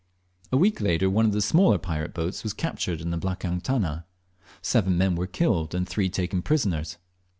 A week later one of the smaller pirate boats was captured in the "blakang tana." Seven men were killed and three taken prisoners.